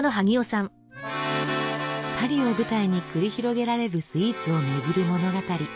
パリを舞台に繰り広げられるスイーツを巡る物語。